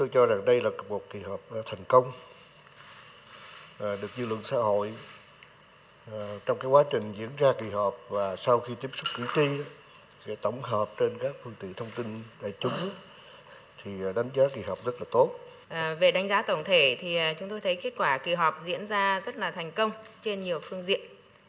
về đánh giá tổng thể thì chúng tôi thấy kết quả kỳ họp diễn ra rất là thành công trên nhiều phương diện